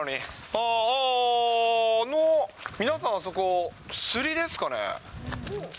ああ、あの皆さん、あそこ、釣りですかね。